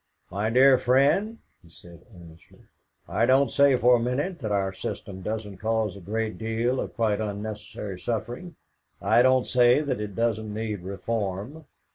"My dear friend," he said earnestly, "I don't say for a minute that our system doesn't cause a great deal of quite unnecessary suffering; I don't say that it doesn't need reform.